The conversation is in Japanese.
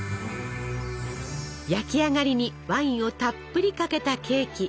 焼き上がりにワインをたっぷりかけたケーキ。